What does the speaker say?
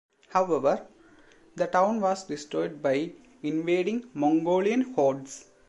However, the town was destroyed by invading Mongolian hordes.